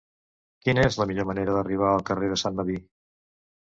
Quina és la millor manera d'arribar al carrer de Sant Medir?